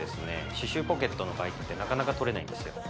歯周ポケットのばい菌ってなかなかとれないんですよ